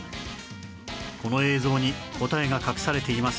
この映像に答えが隠されていますよ